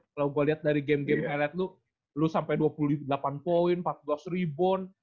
kalau gue liat dari game game highlight lu lu sampe dua puluh delapan poin empat belas ribon